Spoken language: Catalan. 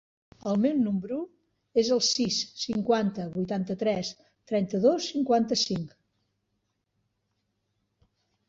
El meu número es el sis, cinquanta, vuitanta-tres, trenta-dos, cinquanta-cinc.